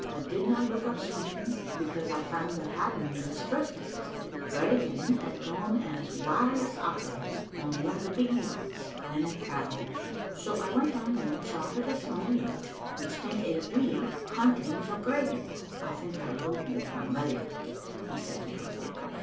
I did not look up Swenton because I found that Heidenmuller's first assistant, Griegen, had gone as wireless operator on one of the big yachts then at Cowes. So I went down there, chartered a small yacht, and spent a week hunting for Griegen. I think I wrote you from there," he said to Dorothy.